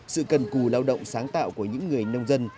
sự cần cù lao động sáng tạo của những người nông dân